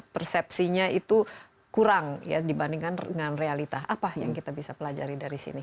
persepsinya itu kurang ya dibandingkan dengan realita apa yang kita bisa pelajari dari sini